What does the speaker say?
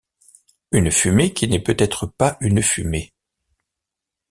une fumée qui n’est peut-être pas une fumée...